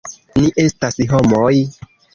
Ni estas homoj.